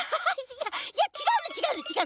いやいやちがうのちがうのちがうの！